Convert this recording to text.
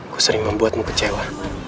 ku sering membuatmu kecewa